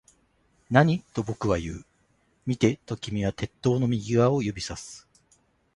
何？と僕は言う。見て、と君は鉄塔の右側を指差す